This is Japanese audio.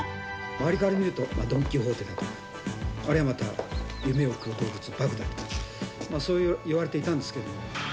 周りから見るとドン・キホーテ、あるいはまた夢を食う動物、バクだったりとか、そういわれていたんですけれども。